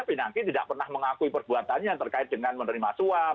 pinangki tidak pernah mengakui perbuatannya terkait dengan menerima suap